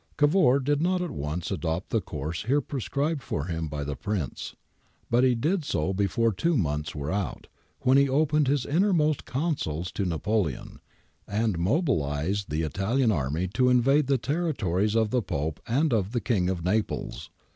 ^ Cavour did not at once adopt the course here pre scribed for him by the Prince, but he did so before two months were out, when he opened his innermost counsels to Napoleon, and mobilised the Italian army to invade the territories of the Pope and of the King of Naples.